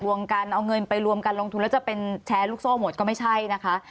วงการเอาเงินไปรวมกันลงทุนแล้วจะเป็นแชร์ลูกโซ่หมดก็ไม่ใช่นะคะ